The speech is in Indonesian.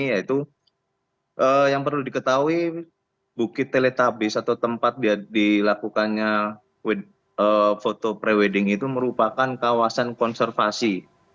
yaitu yang perlu diketahui bukit teletabis atau tempat dilakukannya foto pre wedding itu merupakan kawasan konservasi